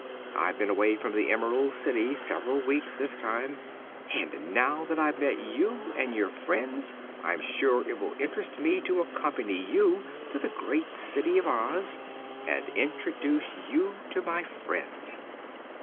I've been away from the Emerald City several weeks, this time, and now that I've met you and your friends I'm sure it will interest me to accompany you to the great city of Oz and introduce you to my friends."